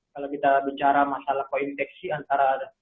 kalau kita bicara masalah koinfeksi antara satu virus satu virus